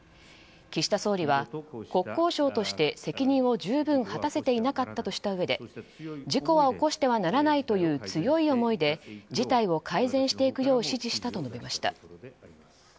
岸田総理は、国交省として責任を十分果たせていなかったとしたうえで事故は起こしてはならないという強い思いで事態を改善していくよう指示したと述べました。